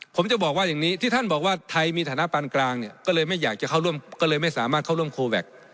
ผมจะบอกว่าอย่างนี้ที่ท่านบอกว่าไทยมีฐานะปานกลางเนี่ยก็เลยไม่อยากจะเข้าร่วมก็เลยไม่สามารถเข้าร่วมโคแวค